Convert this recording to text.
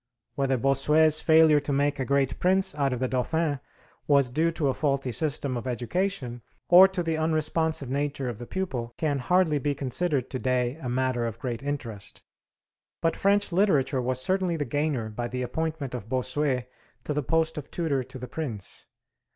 Whether Bossuet's failure to make a great prince out of the Dauphin was due to a faulty system of education or to the unresponsive nature of the pupil, can hardly be considered to day a matter of great interest. But French literature was certainly the gainer by the appointment of Bossuet to the post of tutor to the Prince.